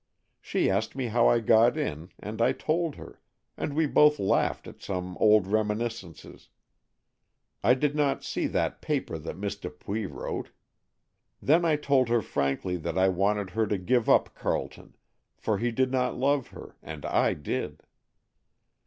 She asked me how I got in, and I told her, and we both laughed at some old reminiscences. I did not see that paper that Miss Dupuy wrote. Then I told her frankly that I wanted her to give up Carleton, for he did not love her and I did.